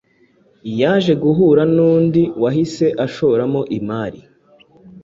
yaje guhura nnundi wahise ashoramo imari.